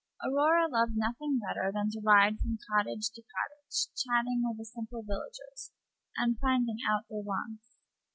Aurora loved nothing better than to ride from cottage to cottage, chatting with the simple villagers, and finding out their wants.